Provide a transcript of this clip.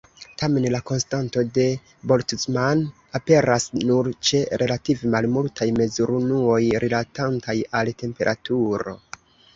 Tamen la konstanto de Boltzmann aperas nur ĉe relative malmultaj mezurunuoj rilatantaj al temperaturo.